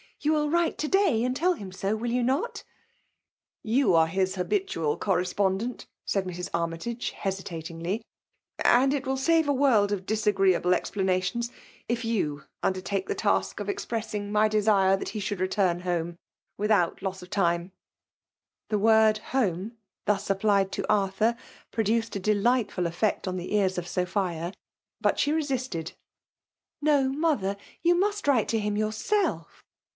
You will write, to day and teQ him so, will you iiot^ .^ Yeu are his habitual correspondent,*' said Mrs. Aimytage, hesitatingly ; "audit will save & wivld of disagreeable explanation^^, if you undertake tSie task of. expressing my desire 190 FEBIALE DOMINATION. that he should return home without fess of time." The word *' home/' thus applied to Arthur, produced a delightful effect on the ears of Sophia : but she resisted. No, — smother! — you must write to him yourself.